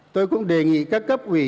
tôi cũng đề nghị các cấp quỷ